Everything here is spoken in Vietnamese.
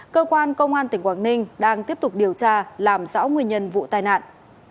cơ quan công an tỉnh quảng ninh đang tiếp tục điều tra làm rõ nguyên nhân vụ tai nạn